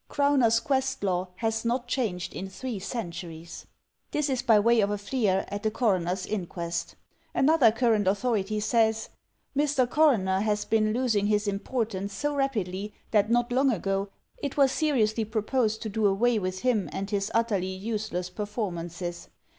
Crowner's quest law has not changed in three centuries." This is by way of a fleer at the Coroner's Inquest. Another current authority says, "Mr. Coroner has been losing his importance so rapidly that not long ago it was seriously proposed to do away with him and his utterly use less performances.